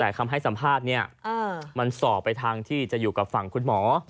แต่คำให้สัมภาษณ์เนี่ยมันสอบไปทางที่จะอยู่กับฝั่งคุณหมอ